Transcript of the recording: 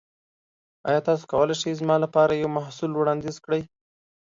ایا تاسو کولی شئ زما لپاره یو محصول وړاندیز کړئ؟